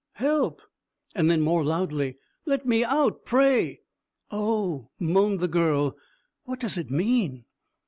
"Help!" And then, more loudly, "Let me out, pray." "Oh," moaned the girl, "what does it mean?"